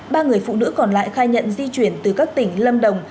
ba người phụ nữ còn lại khai nhận di chuyển từ các tỉnh lâm đồng